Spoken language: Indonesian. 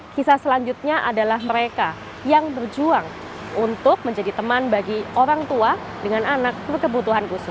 kisah selanjutnya adalah mereka yang berjuang untuk menjadi teman bagi orang tua dengan anak berkebutuhan khusus